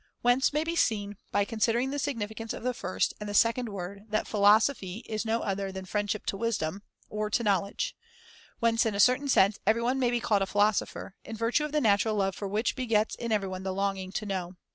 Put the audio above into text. Whence may be seen, by con sidering the significance of the first and the second word, that ' philosophy ' is no other than * friendship to wisdom ' [^603 or to knowledge ; whence in a certain sense everyone may be called a philosopher, in virtue of the natural love which begets in everyone the longing to know.